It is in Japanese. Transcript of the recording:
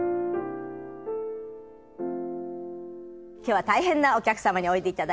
今日は大変なお客様においで頂いております。